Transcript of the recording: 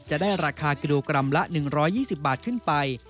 จะได้ราคากิโลกรัมละ๑๒๐บาทขึ้นไป